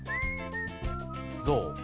どう？